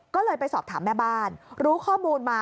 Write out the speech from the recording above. ก็เลยไปสอบถามแม่บ้านรู้ข้อมูลมา